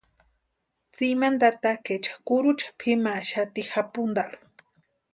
Tsimani tatakaecha kurucha pʼimaxati japuntarhu.